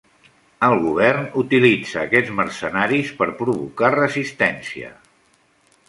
El govern utilitza aquests mercenaris per provocar resistència.